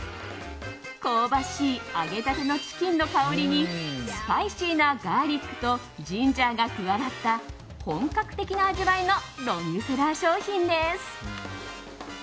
香ばしい揚げたてのチキンの香りにスパイシーなガーリックとジンジャーが加わった本格的な味わいのロングセラー商品です。